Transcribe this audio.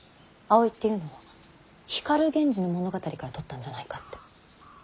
葵っていうのは光源氏の物語からとったんじゃないかって。